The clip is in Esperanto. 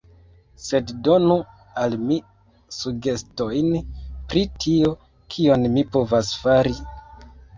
Sed, donu al mi sugestojn, pri tio, kion mi povas fari.